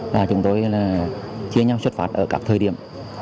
và chúng tôi là chia nhau xuất phát ở các thời điểm